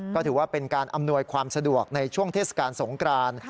ก็ถือว่าเป็นการอำนวยความสะดวกในช่วงเทศกาลสงกราน